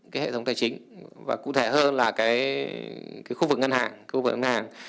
cái hệ thống tài chính và cụ thể hơn là cái khu vực ngân hàng khu vực ngân hàng